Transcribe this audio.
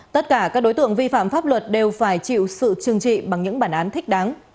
tất cả các đối tượng vi phạm pháp luật đều phải chịu sự trừng trị bằng những bản án thích đáng